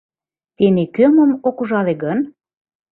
Тений кӧ мом ок ужале гын?